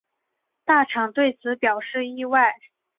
大场对此表示意外。